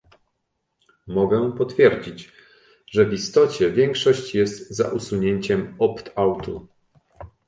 Mogę potwierdzić, że w istocie większość jest za usunięciem opt-outu